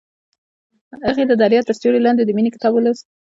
هغې د دریا تر سیوري لاندې د مینې کتاب ولوست.